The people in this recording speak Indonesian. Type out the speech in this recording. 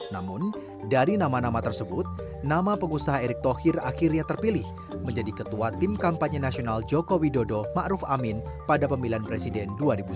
namun dari nama nama tersebut nama pengusaha erick thohir akhirnya terpilih menjadi ketua tim kampanye nasional joko widodo ⁇ maruf ⁇ amin pada pemilihan presiden dua ribu sembilan belas